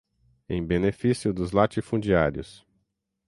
em benefício dos latifundiários